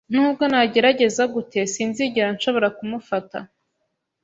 Nubwo nagerageza gute, sinzigera nshobora kumufata.